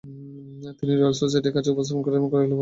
তিনি রয়েল সোসাইটির কাছে উপস্থাপন করেন এবং রয়েল পদকে ভূষিত হন।